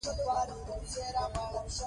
باسواده میندې ماشومان له خطرونو ساتي.